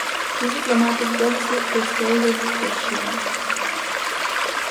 This diplomatic policy frustrated Teshima.